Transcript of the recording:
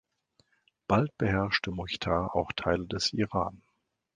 Bald beherrschte Muchtar auch Teile des Iran.